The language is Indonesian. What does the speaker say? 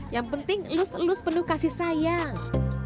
yang penting lus lus penuh kasih sayang